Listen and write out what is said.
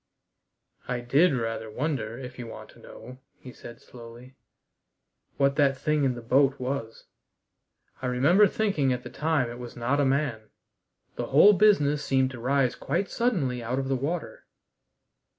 "I did rather wonder, if you want to know," he said slowly, "what that thing in the boat was. I remember thinking at the time it was not a man. The whole business seemed to rise quite suddenly out of the water."